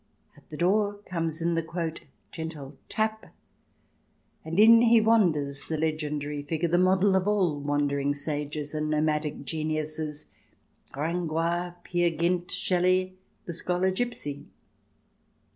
At the door comes the gentle tap," and in he wanders, the legendary figure, the model of all wandering sages and nomadic geniuses — Gringoire, Peer Gynt, Shelley, the Scholar Gipsy.